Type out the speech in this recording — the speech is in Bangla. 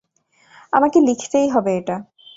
আমাকে লিখতেই হবে এটা।